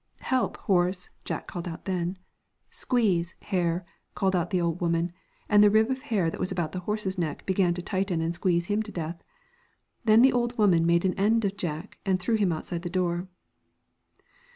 'Help, horse!' Jack called out, then ' Squeeze, hair,' called out the old woman, and the rib of hair that was about the horse's neck began to tighten and squeeze him to death. Then the old woman made an end of Jack and threw him outside the door.